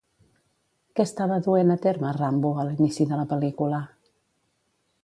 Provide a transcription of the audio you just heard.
Què estava duent a terme Rambo a l'inici de la pel·lícula?